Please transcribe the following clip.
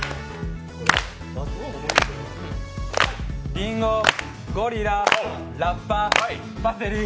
りんご、ゴリラ、ラッパ、パセリ。